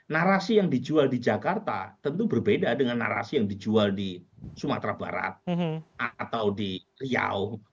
narasi yang dijual di jakarta tentu berbeda dengan narasi yang dijual di sumatera barat atau di riau